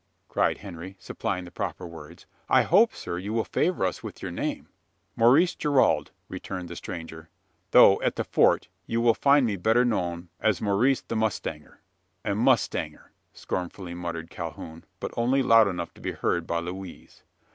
cried Henry, supplying the proper words. "I hope, sir, you will favour us with your name?" "Maurice Gerald!" returned the stranger; "though, at the Fort, you will find me better known as Maurice the mustanger." "A mustanger!" scornfully muttered Calhoun, but only loud enough to be heard by Louise.